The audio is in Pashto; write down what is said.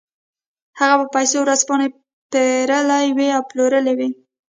هغه په پیسو ورځپاڼې پېرلې وې او پلورلې وې